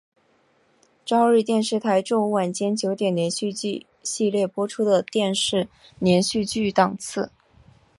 朝日电视台周五晚间九点连续剧系列播出的电视连续剧档次。